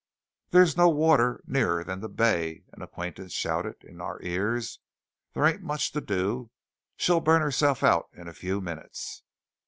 "There's no water nearer than the bay," an acquaintance shouted in our ears. "There ain't much to do. She'll burn herself out in a few minutes."